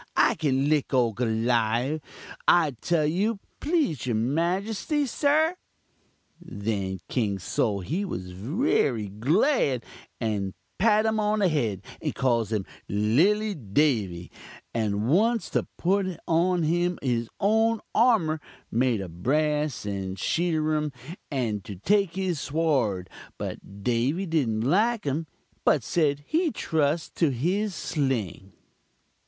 I kin lick ole Goliawh, I tell you, please your majuste, sir.' "Then King Sol he wery glad, and pat um on the head, and calls um 'lilly Davy,' and wants to put on um his own armur made of brass and sheetirum and to take his sword, but Davy didn't like um, but said he'd trust to his sling.